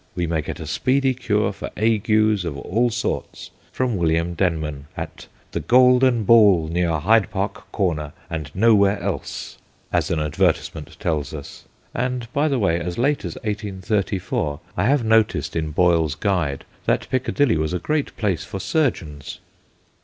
We may get a speedy cure for agues of all sorts from William Denman at ' The Golden Ball, near Hyde Park Corner, and nowhere else/ as an advertisement tells us ; and, by the way, as late as 18 34 I have noticed in Boyle's Guide that Piccadilly was a great place for surgeons.